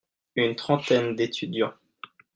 Une trentaine d'étudiants.